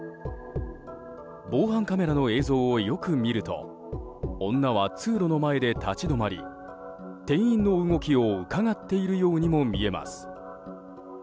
防犯カメラの映像をよく見ると女は通路の前で立ち止まり店員の動きをうかがっているようにも見えます。